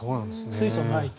水素がないと。